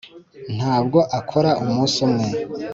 ntabwo akora umunsi umwe